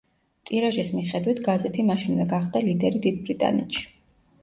ტირაჟის მიხედვით გაზეთი მაშინვე გახდა ლიდერი დიდ ბრიტანეთში.